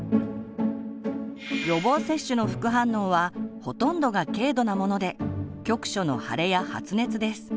予防接種の副反応はほとんどが軽度なもので局所の腫れや発熱です。